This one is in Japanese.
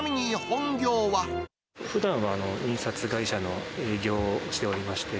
ふだんは、印刷会社の営業をしておりまして。